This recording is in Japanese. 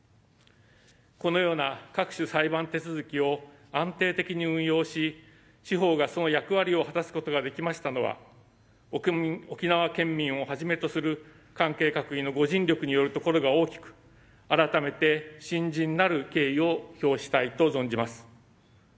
このような各種裁判手続きを安定的に運用し司法がその役割を果たすことができましたのは沖縄県民をはじめとする関係各位の御尽力によるところが大きく改めて深甚なる敬意を表したいと存じます。